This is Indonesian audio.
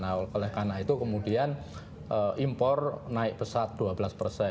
nah oleh karena itu kemudian impor naik pesawat dua belas persen